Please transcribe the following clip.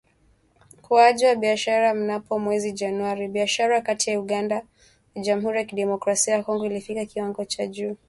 Ukuaji wa Biashara mnamo mwezi Januari, biashara kati ya Uganda na Jamhuri ya Kidemokrasia ya Kongo ilifikia kiwango cha juu